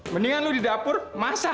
mendingan lu di dapur masak